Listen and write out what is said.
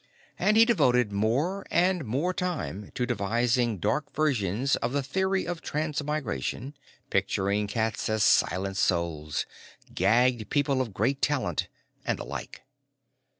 And he devoted more and more time to devising dark versions of the theory of transmigration, picturing cats as Silent Souls, Gagged People of Great Talent, and the like.